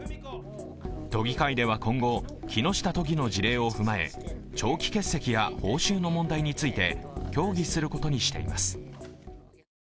都議会では今後、木下都議の事例を踏まえ長期欠席や、報酬の問題について協議することにしています。